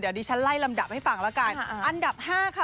เดี๋ยวดิฉันไล่ลำดับให้ฟังแล้วกันอันดับ๕ค่ะ